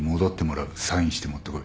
サインして持ってこい。